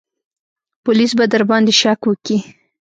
پوليس به درباندې شک وکي.